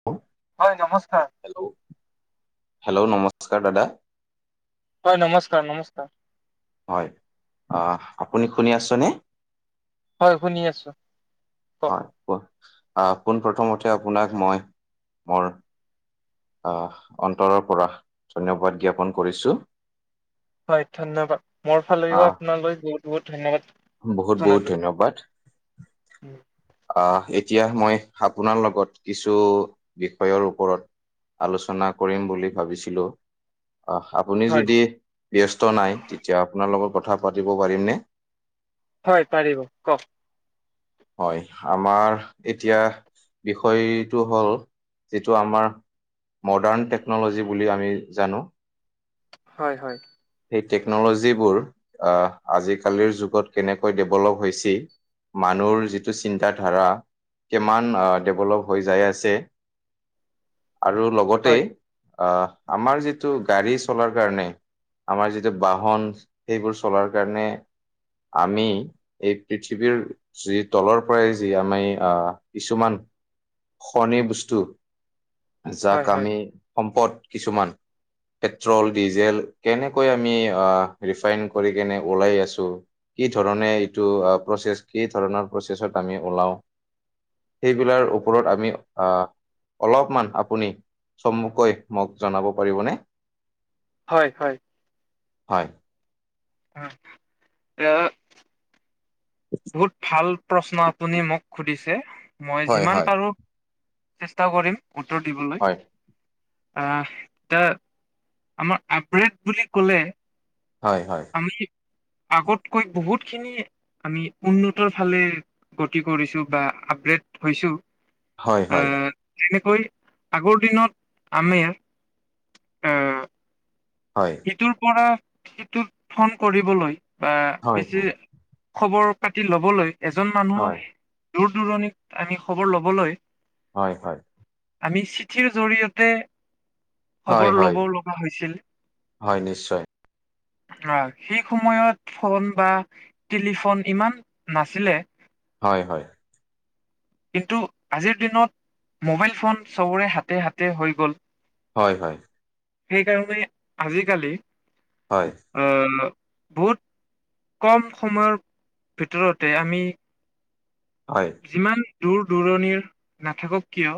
[unintelligible] হয় নমস্কাৰ। Hello, hello নমস্কাৰ দাদা। হয় নমস্কাৰ, নমস্কাৰ। হয় অ আপুনি শুনি আছনে? হয় শুনি আছো। কওক হয় কোৱা। পোন প্ৰথমতে আপোনাক মই মোৰ আ অন্তৰৰ পৰা ধন্যবাদ জ্ঞাপন কৰিছো। হয় ধন্যবাদ। মোৰ ফালেও আহ আপোনালৈ বহুত বহুত ধন্যবাদ জনালো। ৰবাট উম। অ এতিয়া মই আপোনাৰ লগত কিছু বিষয়ৰ ওপৰত আলোচনা কৰিম বুলি ভাবিছিলো। আহ আপুনি হয় যদি ব্যস্ত নাই তেতিয়া আপোনাৰ লগত কথা পাতিব পাৰিমনে? হয় পাৰিব, কওক। হয় আমাৰ এতিয়া বিষয়টো হ'ল যিটো আমাৰ মডাৰ্ণ টেকন'লজি বুলি আমি জানো। হয়, হয়। সেই টেকনলজিবোৰ আ আজি-কালিৰ যুগত কেনেকৈ ডেভেলপ হৈছি মানুৰ যিটো চিন্তা ধাৰা কিমান ডেভেলপ হৈ যাই আছে আৰু লগতে হয় আ আমাৰ যিটো গাড়ী চলাৰ কাৰণে আমাৰ যিটো বাহন সেইবোৰ চলাৰ কাৰণে আমি এই পৃথিৱীৰ যি তলৰ পৰাই যি আমি আ কিছুমান খনিৰ বস্তু যাক হয় হয় আমি সম্পদ কিছুমান পেট্ৰল, ডিজেল কেনেকৈ আমি আ ৰিফাইন কৰি কেনে ওলাই আছো কি ধৰণে এইটো প্ৰচেছ কি ধৰণৰ প্ৰচেছত আমি ওলাও। সেইবিলাৰ ওপৰত আমি আ অলপমান আপুনি চমুকৈ মোক জনাব পাৰিবনে? হয়, হয়। হয়। অ। বহুত ভাল প্ৰশ্ন আপুনি মোক সুধিছে। মই হয় যিমান হয় পাৰো চেষ্টা কৰিম উত্তৰ দিবলৈ। হয় আ ইটা আমাৰ আপ্ৰেড বুলি ক'লে হয়, হয়। আমি আগতকৈ বহুতখিনি আমি উন্নতৰ ফালে গতি কৰিছো বা আপগ্ৰেড হৈছো। হয়, হয়। আহ তেনেকৈ আগৰ দিনত আমি অ হয়। সিটোৰ পৰা সিটোত ফোন কৰিবলৈ বা হয় বেছি খবৰ পাতি লবলৈ এজন হয় মানুহৰ দূৰ দূৰণিত আমি খবৰ লবলৈ হয় হয়। আমি চিঠিৰ জৰিয়তে হয় খবৰ হয় লব লগা হৈছিল। হয় নিশ্চয়। অ সেই সময়ত ফোন বা টেলিফোন ইমান নাছিলে- হয় হয়। কিন্তু আজিৰ দিনত মোবাইল ফোন চবৰে হাতে হাতে হৈ গ'ল। হয় হয়। সেইকাৰণে আজিকালি হয়। অ বহুত কম সময়ৰ ভিতৰতে আমি হয়। ইমান দূৰ দূৰণিৰ নাথাকক কিয়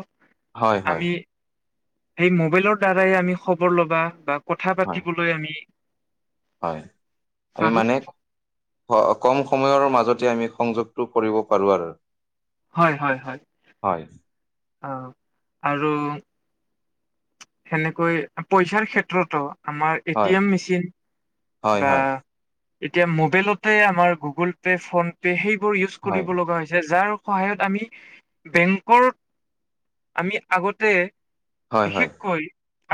হয় হয় আমি সেই মোবাইলৰ দ্বাৰাই আমি খবৰ ল'বা বা কথা হয় পাতিবলৈ আমি হয়, আমি পাৰো মানে হ কম সময়ৰ মাজতে আমি সংযোগটো কৰিব পাৰো আৰু হয় হয় হয়। হয় অঁ আৰু সেনেকৈ পইচাৰ ক্ষেত্ৰতো আমাৰ এ টি হয় এম মেচিন হয় বা হয় এতিয়া মোবাইলতে আমাৰ গুগল পে' ফোন তে সেইবোৰ ইউচ হয় কৰিব লগা হৈছে, যাৰ সহায়ত আমি বেংকৰ আমি আগতে হয় হয় বিশেষকৈ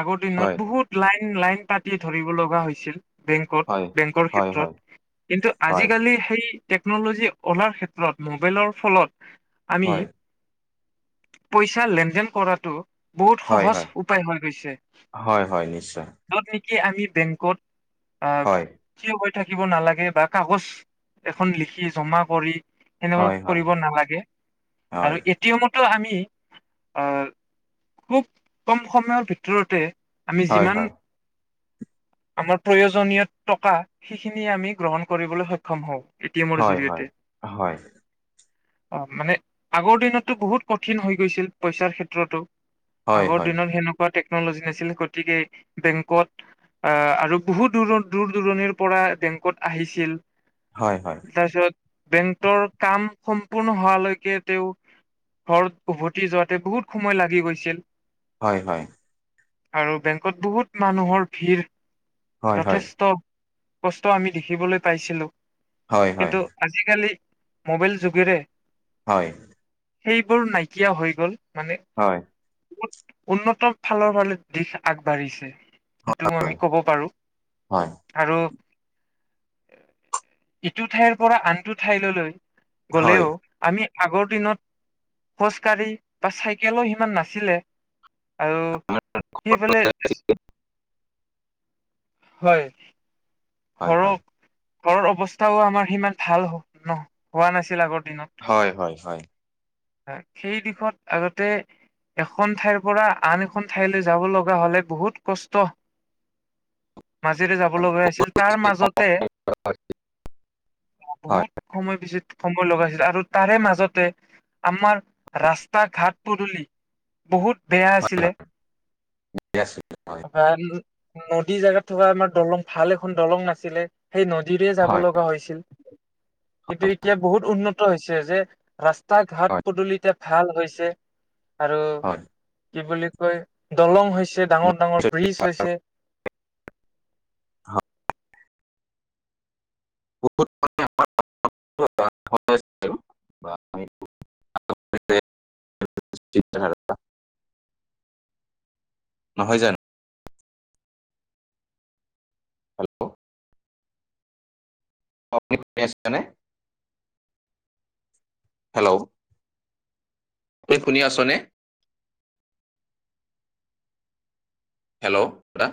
আগৰ হয় দিনত বহুত লাইন লাইন পাতি ধৰিব লগা হৈছিল- বেংকত হয় বেংকৰ হয় হয় ক্ষেত্ৰত কিন্তু হয় আজিকালি সেই টেকনলজি ওলাৰ ক্ষেত্ৰত মোবাইলৰ ফলত আমি হয় পইচা লেন দেন কৰাটো বহুত হয় সহজ হয় উপায় হৈ গৈছে, হয় হয় নিশ্চয় যত নেকি আমি বেংকত আঁ হয় থিয় হৈ থাকিব নালাগে বা কাগজ এখন লিখি জমা কৰি এনেকুৱা হয় হয় কৰিব নালাগে আৰু হয় কিয়নোতো আমি অ খুব কম সময়ৰ ভিতৰতে আমি হয় যিমান হয় আমাৰ প্ৰয়োজনীয় টকা সেইখিনিয়ে আমি গ্ৰহণ কৰিবলৈ সক্ষম হওঁ। এ টি এমৰ হয় জৰিয়তে। হয় হয় অঁ মানে আগৰ দিনত তো বহুত কঠিন হৈ গৈছিল পইচাৰ ক্ষেত্ৰতো হয় আগৰ দিনত সেনেকুৱা টেকনলজি নাছিল গতিকে বেংকত অঁ আৰু বহুত দূৰ দূৰ দূৰণিৰ পৰা বেংকত আহিছিল হয় হয়। তাৰপিছত বেংকৰ কাম সম্পূৰ্ণ হোৱালৈকে তেওঁ ঘৰত উভতি যোৱাতে বহুত সময় লাগি গৈছিল হয় হয়। আৰু বেংকত বহুত মানুহৰ ভিৰ হয় হয় হয় হয় হয় যথেষ্ট কষ্ট আমি দেখিবলৈ পাইছিলোঁ কিন্তু হয় আজিকালি মোবাইল যুগেৰে হয়। সেইবোৰ নাইকিয়া হৈ গ'ল মানে হয়। বহুত উন্নত ফালৰ ফালে দিশ আগবাঢ়িছে সেইটো আমি কব পাৰো- হয় আৰু ইটো ঠাইৰ পৰা আনটো ঠাইললৈ গলেও হয় আমি আগৰ দিনত খোজকাঢ়ি বা চাইকেলো সিমান নাছিলে আৰু সিফালে [unintelligible] হয় ঘৰৰ ঘৰৰ অৱস্থাও আমাৰ সিমান ভাল ন হোৱা নাছিল আগৰ দিনত হয় হয় হয় সেই দিশত আগতে এখন ঠাইৰ পৰা আন এখন ঠাইলৈ যাব লগা হলে বহুত কষ্ট [unintelligible] মাজেৰে যাব লগা আছিল তাৰ মাজতে হয় বহুত সময় বেছি সময় লগাইছিল আৰু তা তাৰে মাজতে আমাৰ ৰাস্তা ঘাট পদুলি বহুত বেয়া আছিলে হয় হয় বা নদী জেগাত থকা আমাৰ দলং ভাল এখন দলং নাছিলে সেই নদীৰে যাব হয় লগা হৈছিল কিন্তু এতিয়া বহুত উন্নত হৈছে যে ৰাস্তা ঘাট পদূলি এতিয়া ভাল হৈছে আৰু হয় কি বুলি কয় দলং হৈছে ডাঙৰ ডাঙৰ ব্ৰিজ হৈছে [unintelligible] [unintelligible] নহয় জানো হেল্ল' আপুনি শুনি আছে নে? হেল্ল' তুমি শুনি আছ নে? হেল্ল দা